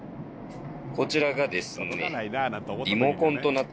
こちらがですね。